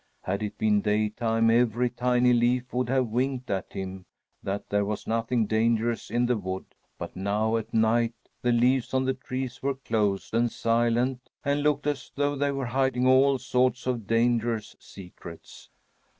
Had it been daytime, every tiny leaf would have winked at him that there was nothing dangerous in the wood; but now, at night, the leaves on the trees were closed and silent and looked as though they were hiding all sorts of dangerous secrets.